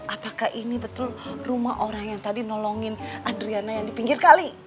apakah ini betul rumah orang yang tadi nolongin adriana yang di pinggir kali